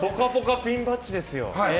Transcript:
ピンバッジですよ。